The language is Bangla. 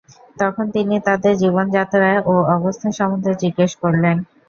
তখন তিনি তাদের জীবনযাত্রা ও অবস্থা সম্বন্ধে জিজ্ঞেস করলেন।